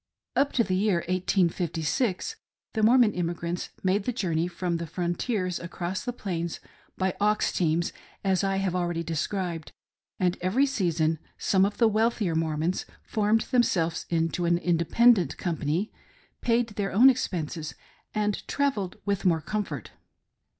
Up to the year 1856, the Mormon emigrants made th^ journey from the Frontiers across the Plains by ox teams, as I have already described, and every season some of the wealthier Mormons formed themselves into an independent company, paid their own expenses, and travelled with more' comfort.